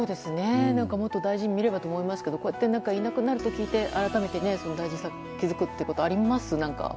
もっと大事に見ればと思いますけどいなくなると聞いて改めて大事さに気づくことありますよね。